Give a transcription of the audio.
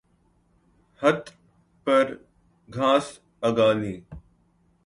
ھت پر گھاس اگا لی